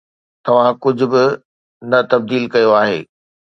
توهان ڪجھ به نه تبديل ڪيو آهي